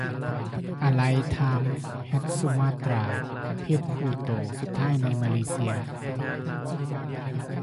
ອາໄລ ທາມ ແຮດສຸມາດຕຣາເພດຜູ້ໂຕສຸດທ້າຍໃນມາເລເຊຍ